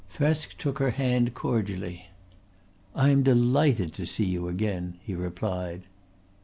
Thresk took her hand cordially. "I am delighted to see you again," he replied.